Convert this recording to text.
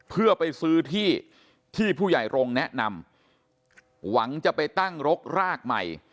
เพื่อไปซื้อที่ที่ผู้ใหญ่รงค์แนะนำหวังจะไปตั้งรกรากใหม่